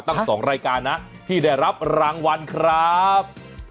ตั้ง๒รายการนะที่ได้รับรางวัลครับ